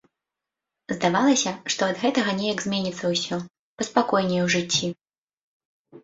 Здавалася, што ад гэтага неяк зменіцца ўсё, паспакайнее ў жыцці.